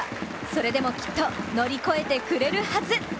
それでもきっと、乗り越えてくれるはず！